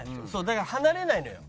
だから離れないのよ。